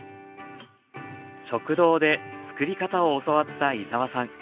食堂でつくり方を教わった井澤さん。